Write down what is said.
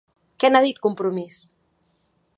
Què n'ha dit Compromís?